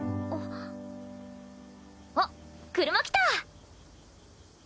あっ車来た！